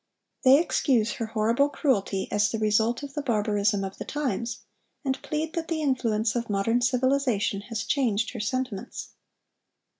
They excuse her horrible cruelty as the result of the barbarism of the times, and plead that the influence of modern civilization has changed her sentiments.